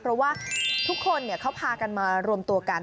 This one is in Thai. เพราะว่าทุกคนเขาพากันมารวมตัวกัน